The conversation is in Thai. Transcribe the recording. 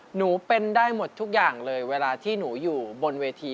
หนูเป็นได้หมดทุกอย่างเลยเวลาที่หนูอยู่บนเวที